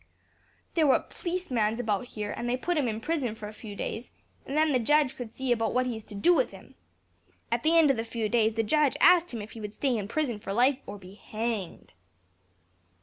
There were pleacemans about here, and they put him in prison for a few days, and then the judge could see about what he is to do with him. At the end of the few days, the judge asked him if he would stay in prison for life or be hanged."